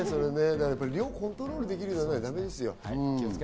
量をコントロールできなきゃだめですよ。